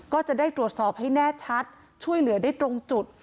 ก็จะได้ตรวจสอบให้แน่ชัดช่วยเหลือได้ตรงจุด